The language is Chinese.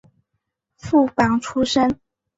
副榜出身。